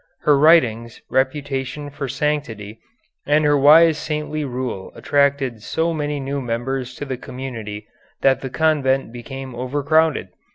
Her writings, reputation for sanctity, and her wise saintly rule attracted so many new members to the community that the convent became overcrowded.